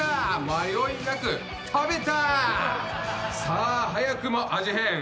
さあ早くも味変！